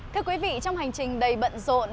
thưa quý vị trong hành trình đầy bận rộn